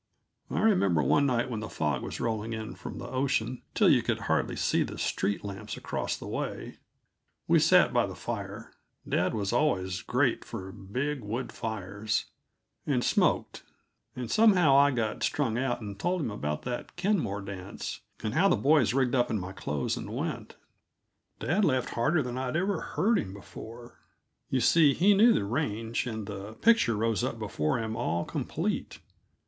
I remember one night when the fog was rolling in from the ocean till you could hardly see the street lamps across the way, we sat by the fire dad was always great for big, wood fires and smoked; and somehow I got strung out and told him about that Kenmore dance, and how the boys rigged up in my clothes and went. Dad laughed harder than I'd ever heard him before; you see, he knew the range, and the picture rose up before him all complete.